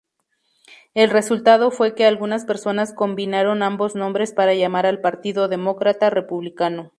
El resultado fue que algunas personas combinaron ambos nombres para llamar al partido "Demócrata-Republicano".